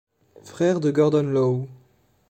Frère de Gordon Lowe.